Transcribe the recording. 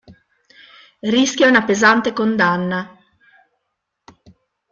Rischia una pesante condanna.